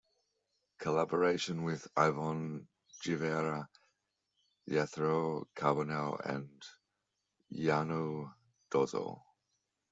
Collaboration with Ivonne Guevara, Jethro Carbonell and Yanou Dozol.